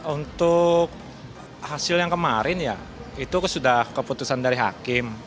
untuk hasil yang kemarin ya itu sudah keputusan dari hakim